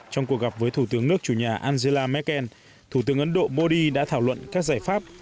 trong cuộc gặp với thủ tướng nước chủ nhà angela merkel thủ tướng ấn độ modi đã thảo luận các giải pháp